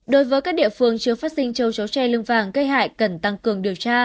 đối với các địa phương chưa phát sinh châu chấu tre lương vàng gây hại cần tăng cường điều tra